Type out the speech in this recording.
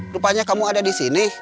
rupanya kamu ada disini